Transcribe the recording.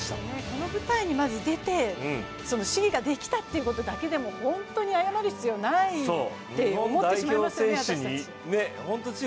この舞台にまず出て、試技ができたということだけでも本当に謝る必要ないって思ってしまいますよね、私たち。